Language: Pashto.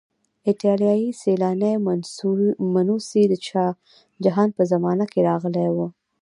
ایټالیایی سیلانی منوسي د شاه جهان په زمانه کې راغلی و.